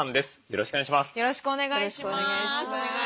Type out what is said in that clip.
よろしくお願いします。